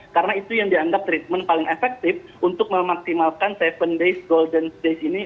karena itu yang dianggap treatment paling efektif untuk memaksimalkan tujuh days golden days ini